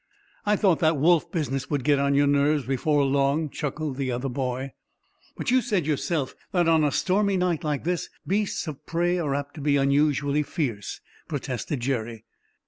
"I thought that wolf business would get on your nerves before long," chuckled the other boy. "But you said yourself that on a stormy night like this beasts of prey are apt to be unusually fierce," protested Jerry.